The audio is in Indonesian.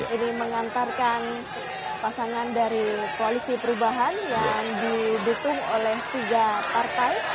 ini mengantarkan pasangan dari koalisi perubahan yang didukung oleh tiga partai